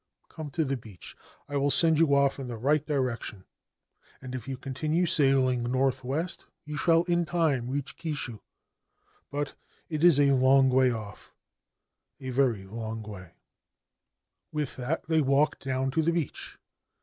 Come to the beach. I will send yoi off in the right direction, and if you continue sailing north west you shall in time reach Kishu. But it is a lon£ way off — a very long way/ With that they walked down to the beach.